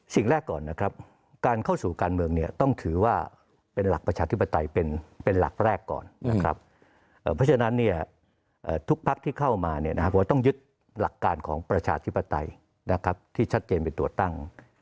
สิ่งแรกก่อนนะครับการเข้าสู่การเมืองเนี่ยต้องถือว่าเป็นหลักประชาธิปไตยเป็นหลักแรกก่อนนะครับเพราะฉะนั้นเนี่ยทุกพักที่เข้ามาเนี่ยนะครับผมว่าต้องยึดหลักการของประชาธิปไตยนะครับที่ชัดเจนเป็นตัวตั้ง